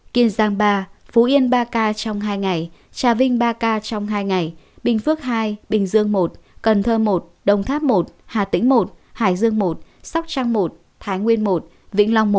kiên giang ba phú yên ba ca trong hai ngày trà vinh ba ca trong hai ngày bình phước hai bình dương một cần thơ một đồng tháp một hà tĩnh một hải dương một sóc trăng một thái nguyên một vĩnh long một